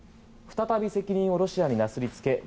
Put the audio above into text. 再び責任をロシアになすりつけ